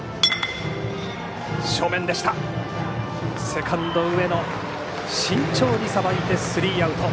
セカンド、上野慎重にさばいてスリーアウト。